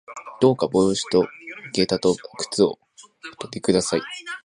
どうか帽子と外套と靴をおとり下さい